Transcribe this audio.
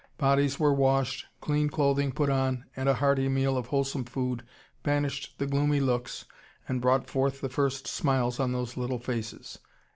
Bodies were washed, clean clothing put on, and a hearty meal of wholesome food banished the gloomy looks and brought forth the first smiles on those little faces."